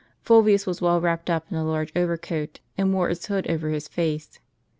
Fulvius was well wrapped up in a large overcoat, and wore its hood over his face.